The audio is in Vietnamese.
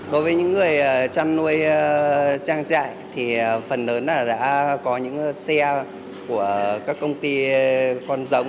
đối với những người chăn nuôi trang trại thì phần lớn là đã có những xe của các công ty con giống